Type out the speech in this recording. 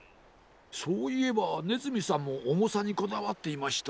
そういえばねずみさんもおもさにこだわっていました。